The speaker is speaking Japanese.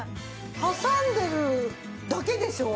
挟んでるだけでしょ？